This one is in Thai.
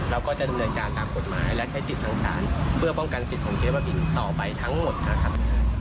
เราก็จะดำเนินการตามกฎหมายและใช้สิทธิ์ทางศาลเพื่อป้องกันสิทธิ์ของเจ๊บ้าบินต่อไปทั้งหมดนะครับ